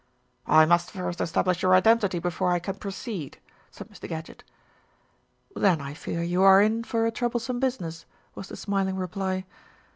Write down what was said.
"I must first establish your identity before I can proceed," said Mr. Gadgett. "Then I fear you are in for a troublesome business," was the smiling reply.